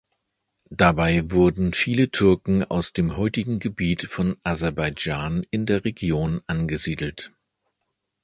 Dabei wurden viele Türken aus dem heutigen Gebiet von Aserbaidschan in der Region angesiedelt.